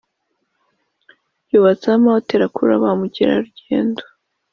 byubatseho amahoteri akurura ba mukerarugendo.